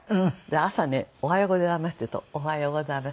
朝に「おはようございます」って言うと「おはようございます。